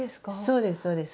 そうですそうです。